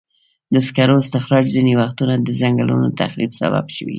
د سکرو استخراج ځینې وختونه د ځنګلونو تخریب سبب شوی.